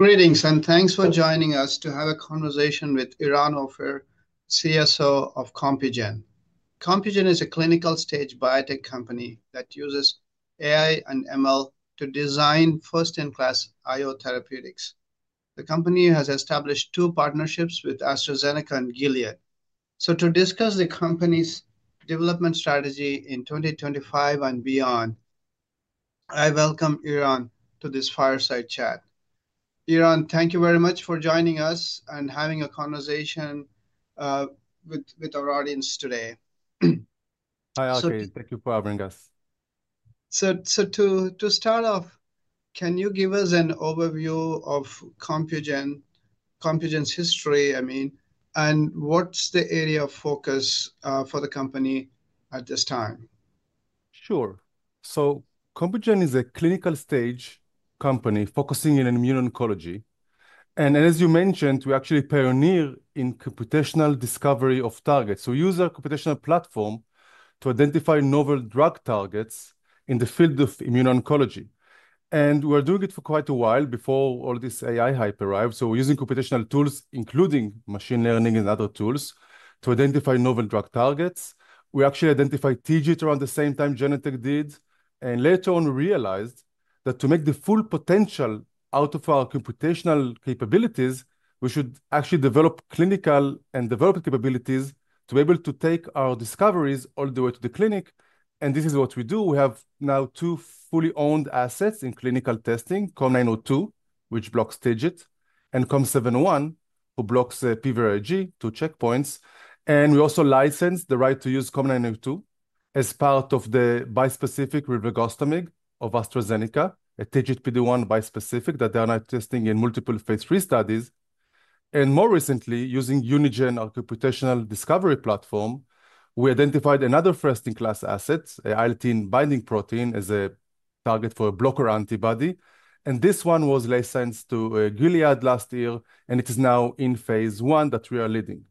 Greetings, and thanks for joining us to have a conversation with Eran Ophir, CSO of Compugen. Compugen is a clinical stage biotech company that uses AI and ML to design first-in-class I/O therapeutics. The company has established two partnerships with AstraZeneca and Gilead. To discuss the company's development strategy in 2025 and beyond, I welcome Eran to this fireside chat. Eran, thank you very much for joining us and having a conversation with our audience today. Hi, Alkhid. Thank you for having us. To start off, can you give us an overview of Compugen, Compugen's history, I mean, and what's the area of focus for the company at this time? Sure. Compugen is a clinical stage company focusing on immuno-oncology. As you mentioned, we're actually a pioneer in computational discovery of targets. We use our computational platform to identify novel drug targets in the field of immuno-oncology. We've been doing it for quite a while before all this AI hype arrived. We're using computational tools, including machine learning and other tools, to identify novel drug targets. We actually identified TIGIT around the same time Genentech did. Later on, we realized that to make the full potential out of our computational capabilities, we should actually develop clinical and developer capabilities to be able to take our discoveries all the way to the clinic. This is what we do. We have now two fully owned assets in clinical testing, COM-902, which blocks TIGIT, and COM-701, which blocks PVRIG checkpoints. We also license the right to use COM-902 as part of the bispecific Rilvegostomig of AstraZeneca, a TIGIT PD-1 bispecific that they are now testing in multiple phase III studies. More recently, using Unigen or computational discovery platform, we identified another first-in-class asset, an IL-18 binding protein as a target for a blocker antibody. This one was licensed to Gilead last year, and it is now in phase I that we are leading.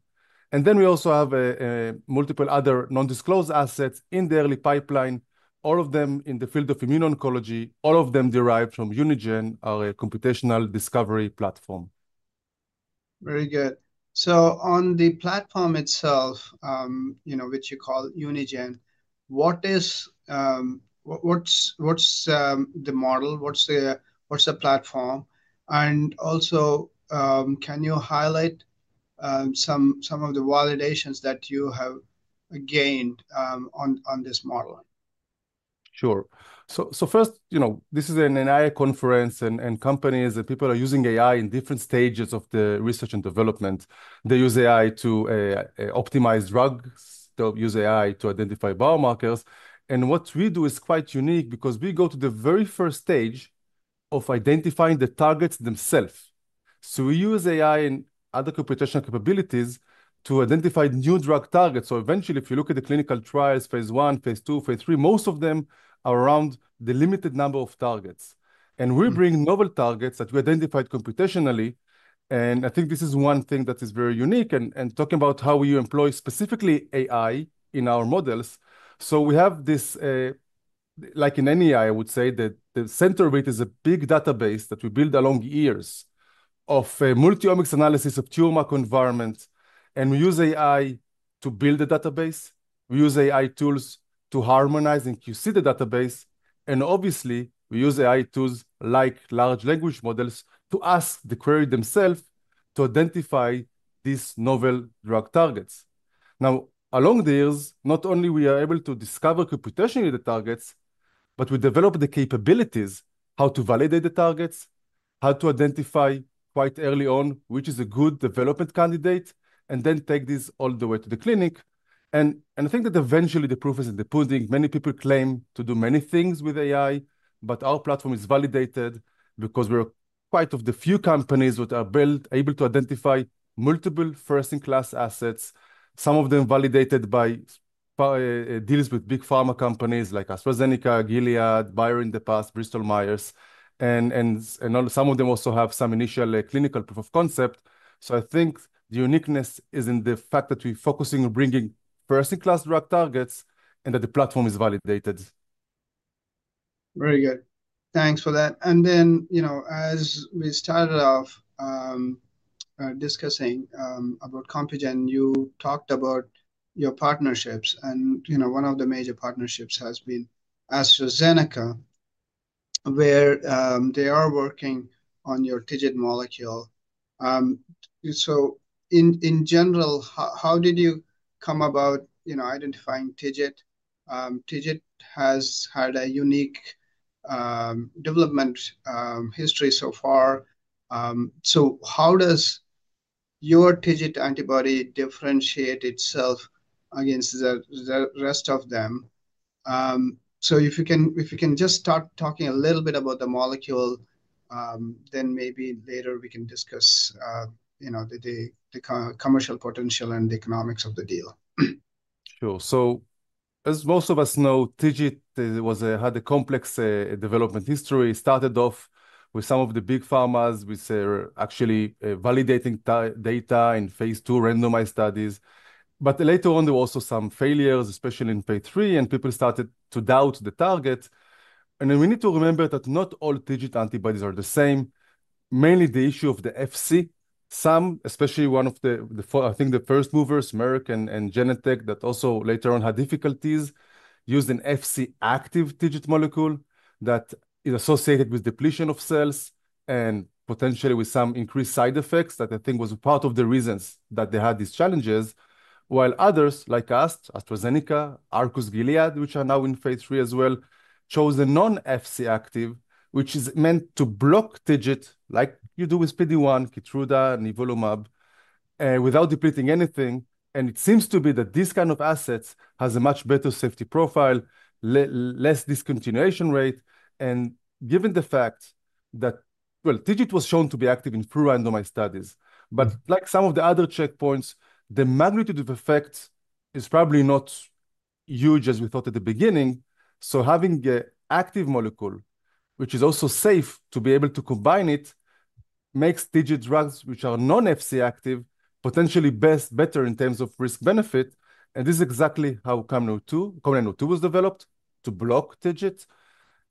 We also have multiple other non-disclosed assets in the early pipeline, all of them in the field of immuno-oncology, all of them derived from Unigen or a computational discovery platform. Very good. On the platform itself, which you call Unigen, what's the model? What's the platform? Also, can you highlight some of the validations that you have gained on this model? Sure. First, this is an AI conference, and companies and people are using AI in different stages of the research and development. They use AI to optimize drugs, they use AI to identify biomarkers. What we do is quite unique because we go to the very first stage of identifying the targets themselves. We use AI and other computational capabilities to identify new drug targets. Eventually, if you look at the clinical trials, phase I, phase II, phase III, most of them are around the limited number of targets. We bring novel targets that we identified computationally. I think this is one thing that is very unique, and talking about how we employ specifically AI in our models. We have this, like in any AI, I would say that the center of it is a big database that we build along years of multi-omics analysis of tumor environments. We use AI to build the database. We use AI tools to harmonize and QC the database. Obviously, we use AI tools like large language models to ask the query themselves to identify these novel drug targets. Now, along the years, not only are we able to discover computationally the targets, but we develop the capabilities, how to validate the targets, how to identify quite early on which is a good development candidate, and then take this all the way to the clinic. I think that eventually the proof is in the pudding. Many people claim to do many things with AI, but our platform is validated because we're quite of the few companies that are able to identify multiple first-in-class assets, some of them validated by deals with big pharma companies like AstraZeneca, Gilead, Bayer in the past, Bristol Myers. Some of them also have some initial clinical proof of concept. I think the uniqueness is in the fact that we're focusing on bringing first-in-class drug targets and that the platform is validated. Very good. Thanks for that. As we started off discussing about Compugen, you talked about your partnerships. One of the major partnerships has been AstraZeneca, where they are working on your TIGIT molecule. In general, how did you come about identifying TIGIT? TIGIT has had a unique development history so far. How does your TIGIT antibody differentiate itself against the rest of them? If you can just start talking a little bit about the molecule, then maybe later we can discuss the commercial potential and the economics of the deal. Sure. As most of us know, TIGIT had a complex development history. It started off with some of the big pharmas with actually validating data in phase II randomized studies. Later on, there were also some failures, especially in phase III, and people started to doubt the target. We need to remember that not all TIGIT antibodies are the same. Mainly the issue of the Fc. Some, especially one of the, I think, the first movers, Merck and Genentech, that also later on had difficulties, used an Fc-active TIGIT molecule that is associated with depletion of cells and potentially with some increased side effects that I think was part of the reasons that they had these challenges. While others like us, AstraZeneca, Arcus, Gilead, which are now in phase III as well, chose a non-Fc active, which is meant to block TIGIT like you do with PD-1, Keytruda, Nivolumab, without depleting anything. It seems to be that this kind of asset has a much better safety profile, less discontinuation rate. Given the fact that, well, TIGIT was shown to be active in pre-randomized studies, but like some of the other checkpoints, the magnitude of effect is probably not huge as we thought at the beginning. Having an active molecule, which is also safe to be able to combine it, makes TIGIT drugs which are non-Fc active potentially better in terms of risk-benefit. This is exactly how COM-902 was developed to block TIGIT.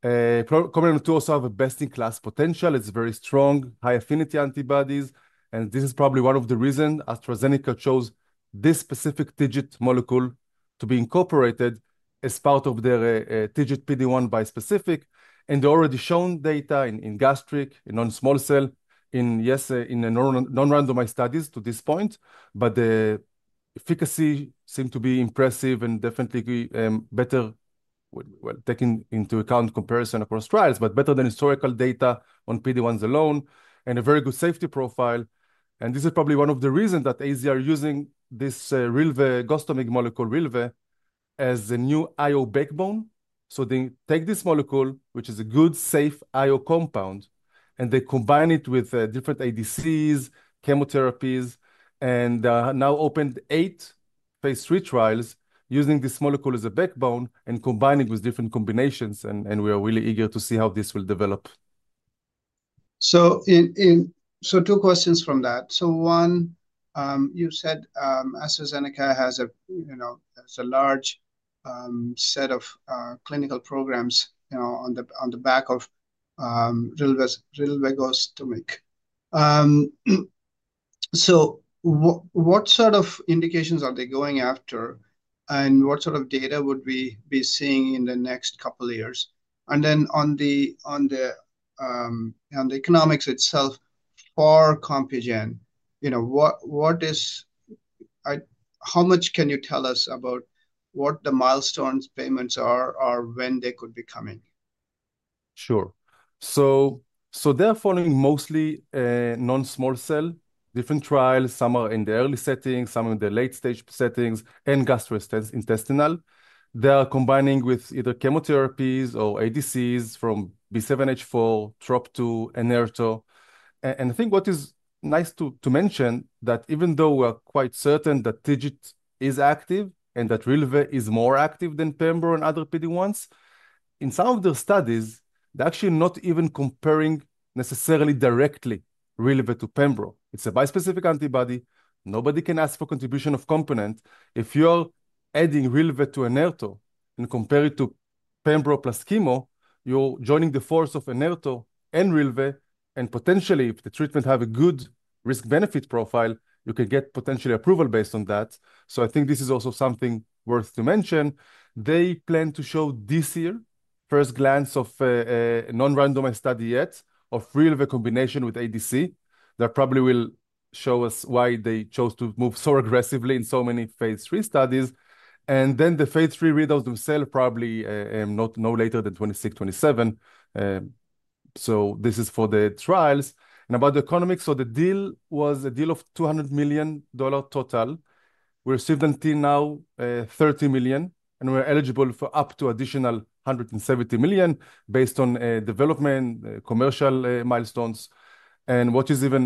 COM-902 also has a best-in-class potential. It's very strong, high-affinity antibodies. This is probably one of the reasons AstraZeneca chose this specific TIGIT molecule to be incorporated as part of their TIGIT PD-1 bispecific. They already shown data in gastric, in non-small cell, in non-randomized studies to this point. The efficacy seemed to be impressive and definitely better, well, taking into account comparison across trials, but better than historical data on PD-1s alone, and a very good safety profile. This is probably one of the reasons that AZ are using this Rilvegostomig molecule, Rilva, as a new I/O backbone. They take this molecule, which is a good, safe I/O compound, and they combine it with different ADCs, chemotherapies, and now opened eight phase III trials using this molecule as a backbone and combining with different combinations. We are really eager to see how this will develop. Two questions from that. One, you said AstraZeneca has a large set of clinical programs on the back of Rilvegostomig. What sort of indications are they going after, and what sort of data would we be seeing in the next couple of years? Then on the economics itself for Compugen, how much can you tell us about what the milestone payments are or when they could be coming? Sure. They are following mostly non-small cell, different trials, some are in the early settings, some are in the late-stage settings, and gastrointestinal. They are combining with either chemotherapies or ADCs from B7-H4, TROP2, Enhertu. I think what is nice to mention is that even though we are quite certain that TIGIT is active and that Rilva is more active than Pembro and other PD-1s, in some of the studies, they are actually not even comparing necessarily directly Rilva to Pembro. It is a bispecific antibody. Nobody can ask for contribution of component. If you are adding Rilva to Enhertu and compare it to Pembro plus chemo, you are joining the force of Enhertu and Rilva. Potentially, if the treatment has a good risk-benefit profile, you can get potentially approval based on that. I think this is also something worth to mention. They plan to show this year first glance of a non-randomized study yet of Rilva combination with ADC. That probably will show us why they chose to move so aggressively in so many phase III studies. The phase III readouts themselves probably no later than 2026, 2027. This is for the trials. About the economics, the deal was a deal of $200 million total. We received until now $30 million, and we're eligible for up to additional $170 million based on development, commercial milestones. What is even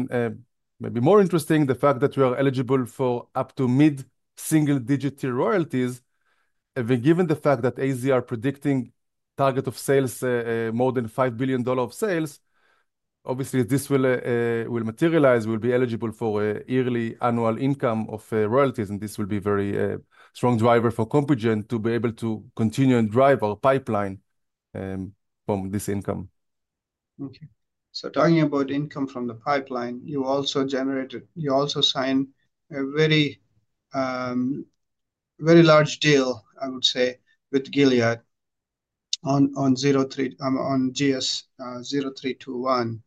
maybe more interesting, the fact that we are eligible for up to mid-single-digit royalties. Given the fact that AstraZeneca are predicting target of sales more than $5 billion of sales, obviously, this will materialize. We'll be eligible for an annual income of royalties, and this will be a very strong driver for Compugen to be able to continue and drive our pipeline from this income. Okay. Talking about income from the pipeline, you also signed a very large deal, I would say, with Gilead on GS-0321.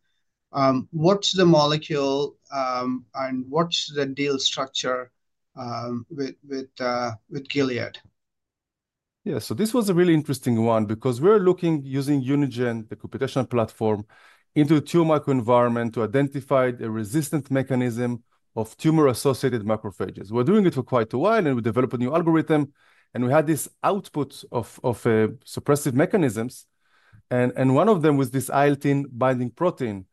What's the molecule and what's the deal structure with Gilead? Yeah, so this was a really interesting one because we're looking, using Unigen, the computational platform, into a tumor environment to identify the resistant mechanism of tumor-associated macrophages. We're doing it for quite a while, and we developed a new algorithm, and we had this output of suppressive mechanisms. One of them was this IL-18 binding protein.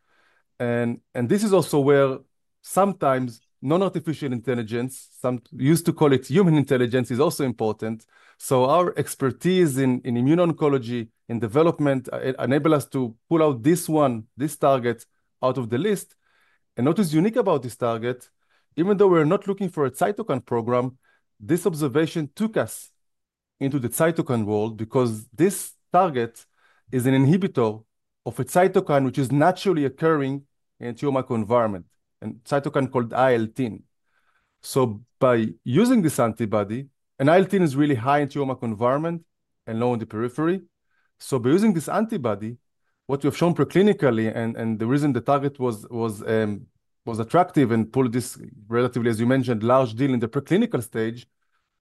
This is also where sometimes non-artificial intelligence, some used to call it human intelligence, is also important. Our expertise in immuno-oncology and development enabled us to pull out this one, this target, out of the list. What is unique about this target, even though we're not looking for a cytokine program, this observation took us into the cytokine world because this target is an inhibitor of a cytokine which is naturally occurring in a tumor environment, a cytokine called IL-18. By using this antibody, and IL-18 is really high in a tumor environment and low in the periphery. By using this antibody, what we have shown preclinically and the reason the target was attractive and pulled this relatively, as you mentioned, large deal in the preclinical stage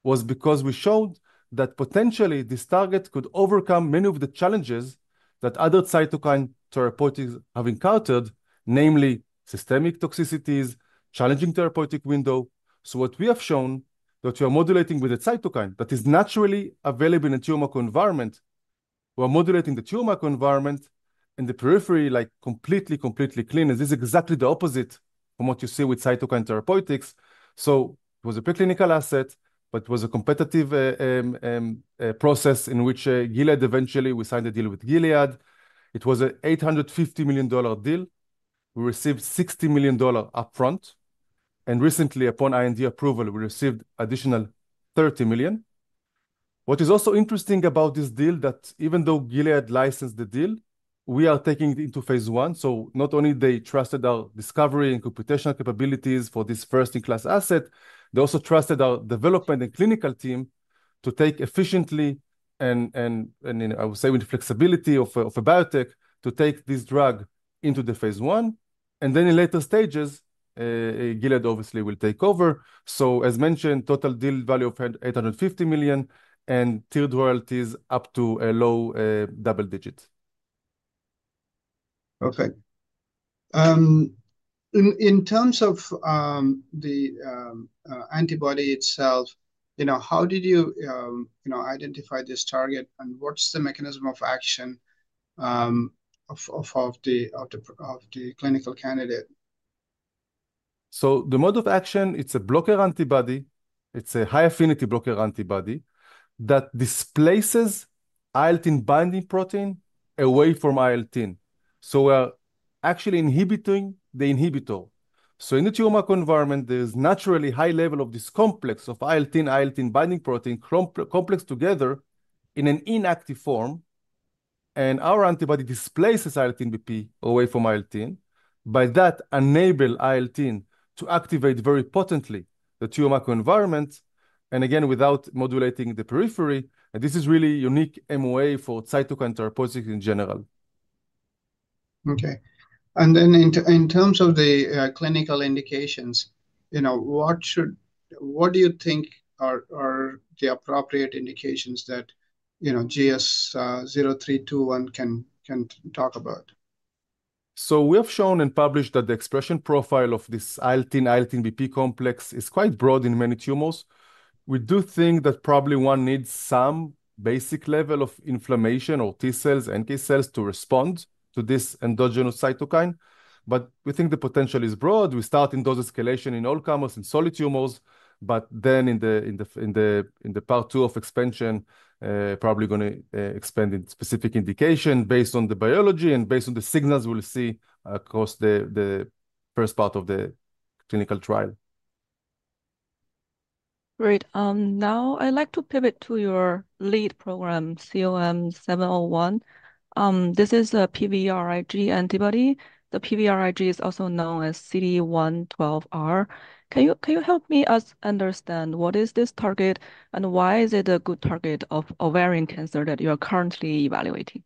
was because we showed that potentially this target could overcome many of the challenges that other cytokine therapeutics have encountered, namely systemic toxicities, challenging therapeutic window. What we have shown is that we are modulating with a cytokine that is naturally available in a tumor environment. We are modulating the tumor environment in the periphery like completely, completely clean. This is exactly the opposite from what you see with cytokine therapeutics. It was a preclinical asset, but it was a competitive process in which Gilead eventually, we signed a deal with Gilead. It was an $850 million deal. We received $60 million upfront. Recently, upon IND approval, we received additional $30 million. What is also interesting about this deal is that even though Gilead licensed the deal, we are taking it into phase I. Not only did they trust our discovery and computational capabilities for this first-in-class asset, they also trusted our development and clinical team to take efficiently, and I would say with flexibility of a biotech, to take this drug into phase I. In later stages, Gilead obviously will take over. As mentioned, total deal value of $850 million and tiered royalties up to a low double digit. Perfect. In terms of the antibody itself, how did you identify this target and what's the mechanism of action of the clinical candidate? The mode of action, it's a blocker antibody. It's a high-affinity blocker antibody that displaces IL-18 binding protein away from IL-18. We're actually inhibiting the inhibitor. In the tumor environment, there's naturally a high level of this complex of IL-18, IL-18 binding protein complex together in an inactive form. Our antibody displaces IL-18 BP away from IL-18. By that, enabling IL-18 to activate very potently the tumor environment. Again, without modulating the periphery. This is really a unique MOA for cytokine therapeutics in general. Okay. In terms of the clinical indications, what do you think are the appropriate indications that GS-0321 can talk about? We have shown and published that the expression profile of this IL-18-IL-18 BP complex is quite broad in many tumors. We do think that probably one needs some basic level of inflammation or T cells, NK cells to respond to this endogenous cytokine. We think the potential is broad. We start in dose escalation in all comers and solid tumors. In the part two of expansion, probably going to expand in specific indication based on the biology and based on the signals we'll see across the first part of the clinical trial. Great. Now, I'd like to pivot to your lead program, COM-701. This is a PVRIG antibody. The PVRIG is also known as CD112R. Can you help me understand what is this target and why is it a good target of ovarian cancer that you are currently evaluating?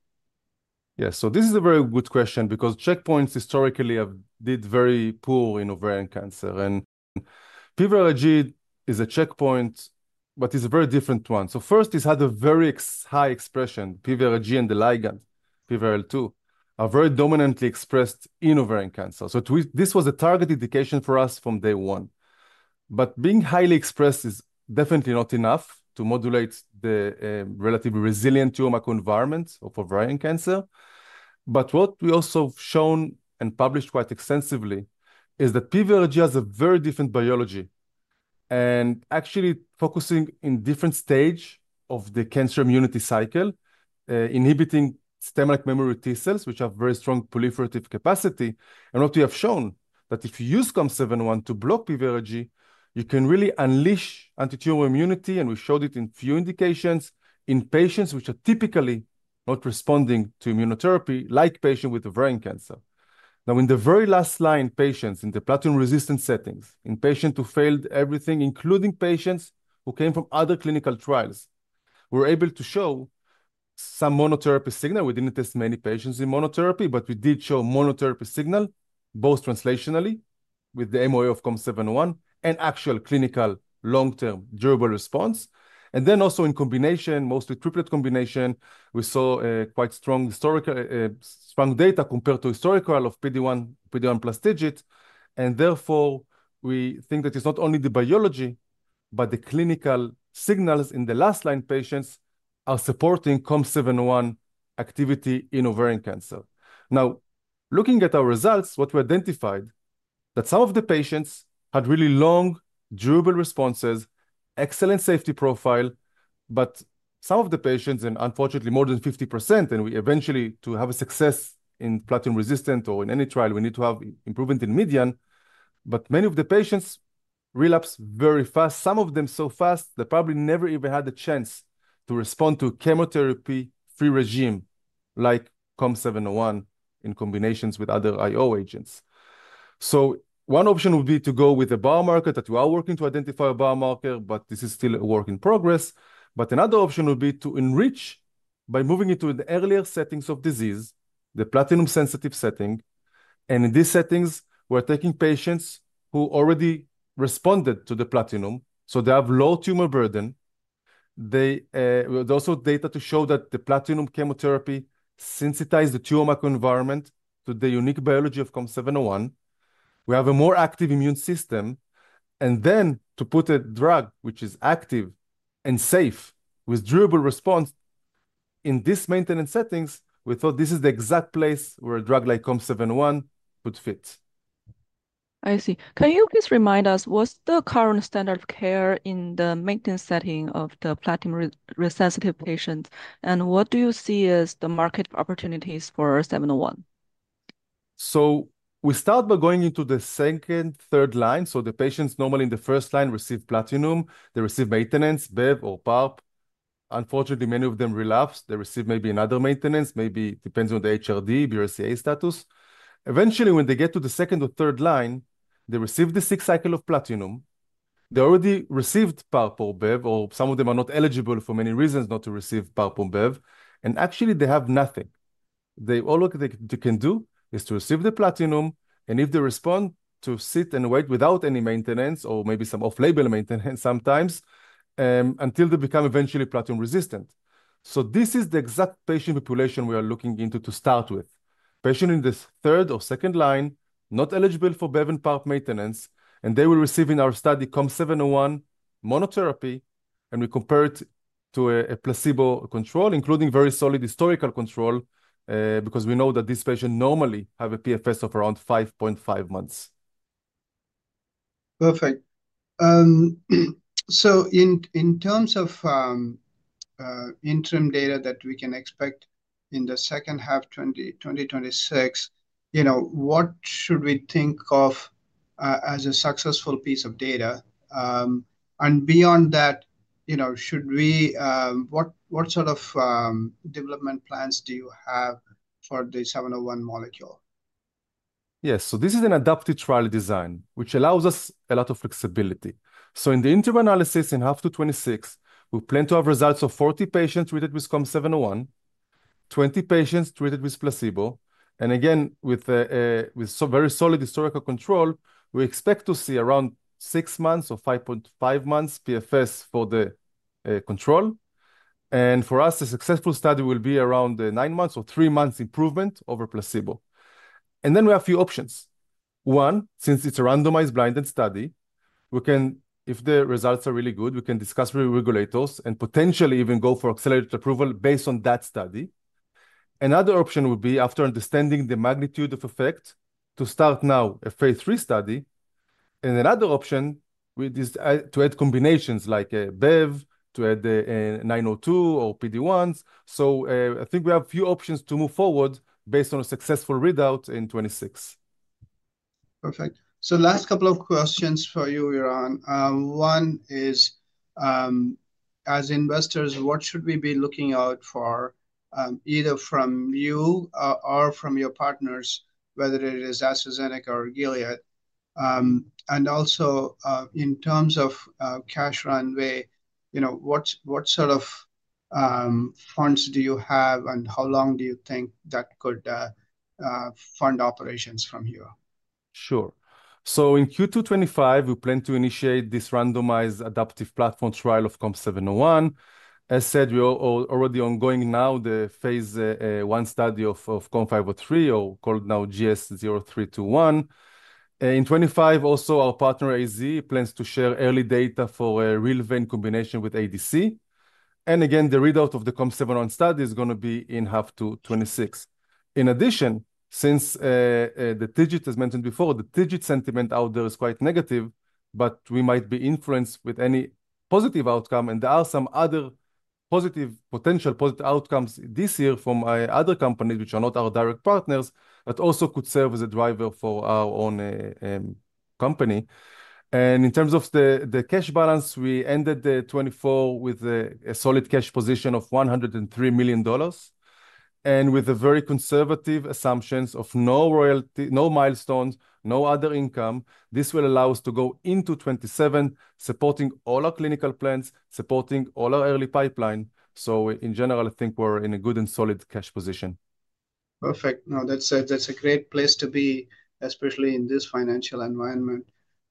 Yeah, this is a very good question because checkpoints historically have been very poor in ovarian cancer. PVRIG is a checkpoint, but it's a very different one. First, it had a very high expression. PVRIG and the ligand, PVRL2, are very dominantly expressed in ovarian cancer. This was a target indication for us from day one. Being highly expressed is definitely not enough to modulate the relatively resilient tumor environment of ovarian cancer. What we also have shown and published quite extensively is that PVRIG has a very different biology and actually focuses in different stages of the cancer immunity cycle, inhibiting stem-like memory T cells, which have very strong proliferative capacity. What we have shown is that if you use COM-701 to block PVRIG, you can really unleash anti-tumor immunity. We showed it in a few indications in patients which are typically not responding to immunotherapy, like patients with ovarian cancer. In the very last line patients in the Platinum-resistant settings, in patients who failed everything, including patients who came from other clinical trials, we were able to show some monotherapy signal. We did not test many patients in monotherapy, but we did show monotherapy signal both translationally with the MOA of COM-701 and actual clinical long-term durable response. Also in combination, mostly triplet combination, we saw quite strong data compared to historical of PD-1 plus TIGIT. Therefore, we think that it is not only the biology, but the clinical signals in the last line patients are supporting COM-701 activity in ovarian cancer. Now, looking at our results, what we identified is that some of the patients had really long durable responses, excellent safety profile, but some of the patients, and unfortunately, more than 50%, and we eventually to have a success in Platinum-resistant or in any trial, we need to have improvement in median. Many of the patients relapse very fast, some of them so fast they probably never even had a chance to respond to chemotherapy-free regime like COM-701 in combinations with other I/O agents. One option would be to go with a biomarker that we are working to identify a biomarker, but this is still a work in progress. Another option would be to enrich by moving into the earlier settings of disease, the Platinum-sensitive setting. In these settings, we're taking patients who already responded to the Platinum, so they have low tumor burden. is also data to show that the Platinum chemotherapy sensitizes the tumor environment to the unique biology of COM-701. We have a more active immune system. To put a drug which is active and safe with durable response in these maintenance settings, we thought this is the exact place where a drug like COM-701 would fit. I see. Can you please remind us, what's the current standard of care in the maintenance setting of the Platinum-resisitive patients? What do you see as the market opportunities for COM-701? We start by going into the second, third line. The patients normally in the first line receive Platinum. They receive maintenance, Bev or PARP. Unfortunately, many of them relapse. They receive maybe another maintenance, maybe depends on the HRD, BRCA status. Eventually, when they get to the second or third line, they receive the sixth cycle of Platinum. They already received PARP or Bev, or some of them are not eligible for many reasons not to receive PARP or Bev. Actually, they have nothing. All they can do is to receive the Platinum. If they respond, they sit and wait without any maintenance or maybe some off-label maintenance sometimes until they become eventually Platinum-resistant. This is the exact patient population we are looking into to start with. Patient in the third or second line, not eligible for Bev and PARP maintenance, and they will receive in our study COM-701 monotherapy. We compare it to a placebo control, including very solid historical control because we know that this patient normally has a PFS of around 5.5 months. Perfect. In terms of interim data that we can expect in the second half of 2026, what should we think of as a successful piece of data? Beyond that, what sort of development plans do you have for the 701 molecule? Yes. This is an adaptive trial design, which allows us a lot of flexibility. In the interim analysis in half to 2026, we plan to have results of 40 patients treated with COM-701, 20 patients treated with placebo. Again, with very solid historical control, we expect to see around six months or 5.5 months PFS for the control. For us, a successful study will be around nine months or three months improvement over placebo. We have a few options. One, since it is a randomized blinded study, if the results are really good, we can discuss with regulators and potentially even go for accelerated approval based on that study. Another option would be, after understanding the magnitude of effect, to start now a phase three study. Another option would be to add combinations like Avastin, to add COM-902 or PD-1s. I think we have a few options to move forward based on a successful readout in 2026. Perfect. Last couple of questions for you, Eran. One is, as investors, what should we be looking out for either from you or from your partners, whether it is AstraZeneca or Gilead? Also, in terms of cash runway, what sort of funds do you have and how long do you think that could fund operations from here? Sure. In Q2 2025, we plan to initiate this randomized adaptive platform trial of COM-701. As said, we are already ongoing now the phase I study of COM-503, or called now GS-0321. In 2025, also, our partner AstraZeneca plans to share early data for a rilvegostomig combination with ADC. Again, the readout of the COM-701 study is going to be in half two 2026. In addition, since the TIGIT, as mentioned before, the TIGIT sentiment out there is quite negative, but we might be influenced with any positive outcome. There are some other potential positive outcomes this year from other companies which are not our direct partners that also could serve as a driver for our own company. In terms of the cash balance, we ended 2024 with a solid cash position of $103 million. With very conservative assumptions of no royalty, no milestones, no other income, this will allow us to go into 2027, supporting all our clinical plans, supporting all our early pipeline. In general, I think we're in a good and solid cash position. Perfect. No, that's a great place to be, especially in this financial environment.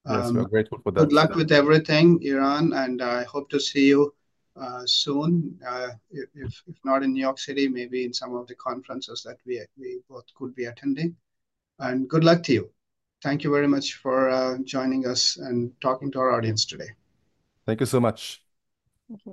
Yes, we're grateful for that. Good luck with everything, Eran. I hope to see you soon, if not in New York City, maybe in some of the conferences that we both could be attending. Good luck to you. Thank you very much for joining us and talking to our audience today. Thank you so much. Thank you.